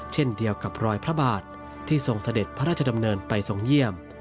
เช่นเดียวกับรอยพระบาทที่ทรงเสด็จพระราชดำเนินไปทรงเยี่ยม